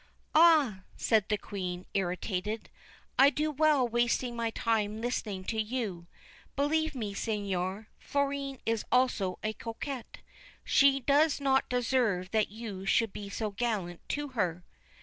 'Ah!' said the Queen, irritated, 'I do well wasting my time listening to you. Believe me, seigneur, Florine is also a coquette ; she does not deserve that you should be so gallant to her.'